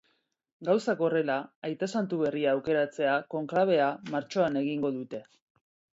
Gauzak horrela, aita santu berria aukeratzeko konklabea martxoan egingo dute.